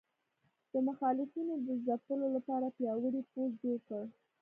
د مخالفینو د ځپلو لپاره پیاوړی پوځ جوړ کړ.